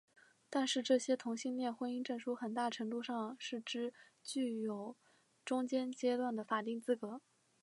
但是这些同性恋婚姻证书很大程度上是只具有中间阶段的法定资格。